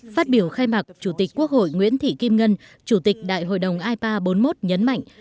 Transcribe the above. phát biểu khai mạc chủ tịch quốc hội nguyễn thị kim ngân chủ tịch đại hội đồng ipa bốn mươi một nhấn mạnh